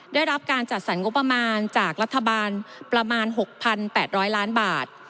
ได้รับการจัดสรรงบประมาณจากรัฐบาลประมาณ๖๘๐๐ล้านบาท